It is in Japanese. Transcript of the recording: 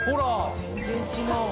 全然違うわ。